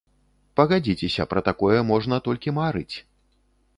Пагадзіцеся, пра такое можна толькі марыць.